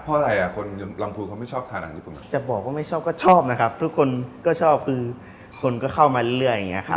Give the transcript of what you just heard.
เพราะอะไรอ่ะคนลำพูนเขาไม่ชอบทานอาหารญี่ปุ่นจะบอกว่าไม่ชอบก็ชอบนะครับทุกคนก็ชอบคือคนก็เข้ามาเรื่อยอย่างเงี้ครับ